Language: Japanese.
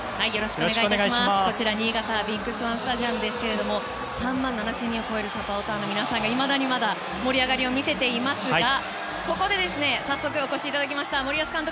こちら、新潟のビッグスワンスタジアムですが３万７０００人を超えるサポーターの皆さんがいまだに盛り上がりを見せていますがここで早速お越しいただきました森保監督